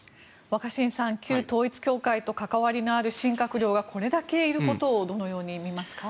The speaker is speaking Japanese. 若新さん旧統一教会と関わりのある新閣僚がこれだけいることをどのように見ますか。